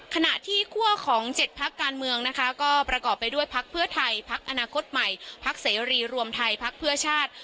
ขณะที่คั่วของ๗พักการเมืองนะคะก็ประกอบไปด้วยพักเพื่อไทยพักอนาคตใหม่พักเสรีรวมไทยพักเพื่อชาติ